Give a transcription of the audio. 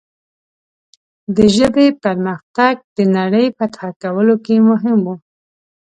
د ژبې پرمختګ د نړۍ فتح کولو کې مهم و.